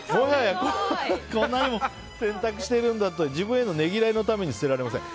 こんなにも洗濯しているんだと自分へのねぎらいの意味でも捨てられません。